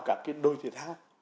các cái đôi thể thao